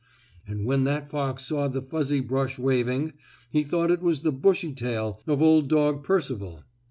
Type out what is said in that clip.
And when that fox saw the fuzzy brush waving, he thought it was the bushy tail of Old Dog Percival.